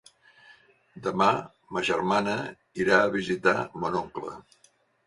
Demà ma germana irà a visitar mon oncle.